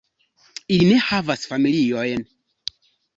Ili ne havas familiojn.